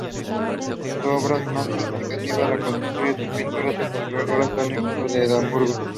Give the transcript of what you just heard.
Su obra más significativa la constituyen sus pinturas en el reloj astronómico de Estrasburgo.